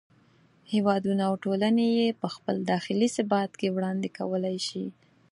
هېوادونه او ټولنې یې په خپل داخلي ثبات کې وړاندې کولای شي.